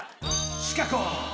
シカゴー！